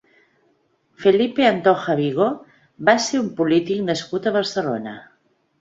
Felipe Antoja Vigo va ser un polític nascut a Barcelona.